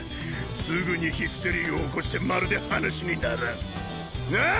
すぐにヒステリー起こしてまるで話にならん。なあ？